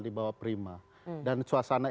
di bawaprima dan suasana